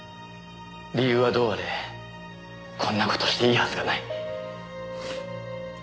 理由はどうあれこんな事していいはずがない。